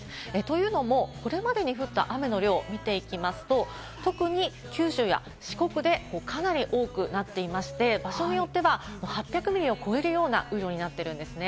というのも、これまでに降った雨の量を見ていきますと、特に九州や四国でかなり多くなっていまして、場所によっては８００ミリを超えるような量になっているんですね。